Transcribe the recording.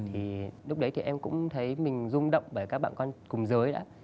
thì lúc đấy thì em cũng thấy mình rung động bởi các bạn con cùng giới đã